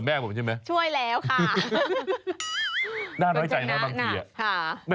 แม่บอกว่าไม่โทรมานานเลยนะ